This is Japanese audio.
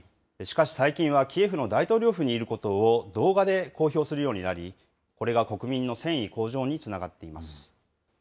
しかし、最近はキエフの大統領府にいることを動画で公表するようになり、これが国民の戦意向上につながっています。